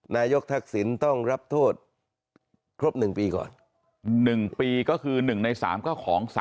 นายกทักษิณต้องรับโทษครบ๑ปีก่อน๑ปีก็คือ๑ใน๓ก็ของ๓